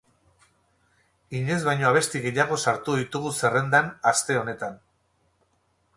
Inoiz baino abesti gehiago sartu ditugu zerrendan, aste honetan.